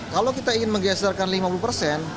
kalau kita ingin menggeserkan lima puluh persen